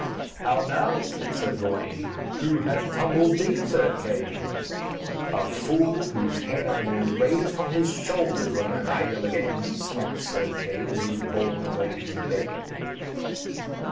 'How now,' said Sir Gawaine, 'who hath tumbled thee, Sir Kay?' 'A fool whose head I will rase from his shoulders when I am hale again,' snapped Sir Kay, as he was borne away to his bed.